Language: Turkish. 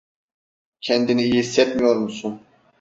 Kendini iyi hissetmiyor musun?